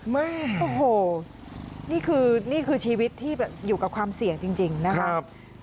นะโหนี่คือชีวิตที่อยู่กับความเสี่ยงจริงนะครับ